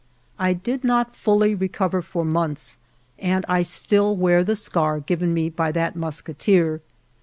I did not fully re cover for months, and I still wear the scar given me by that musketeer.